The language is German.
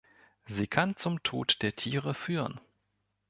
Sie kann zum Tod der Tiere führen.